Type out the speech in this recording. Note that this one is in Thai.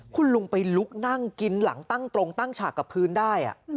คุณลุงไปลุกนั่งกินหลังตั้งตรงตั้งฉากกับพื้นได้